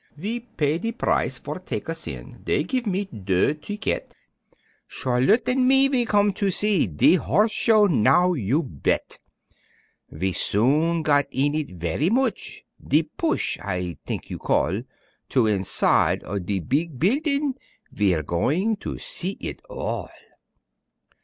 Ve pay de price for tak' us in, Dey geeve me deux ticquette; Charlotte an' me ve com' for see De Horse Show now, you bet. Ve soon gat in it veree moch, "De push," I t'ink you call, To inside on de beeg building, Ve're going to see it all.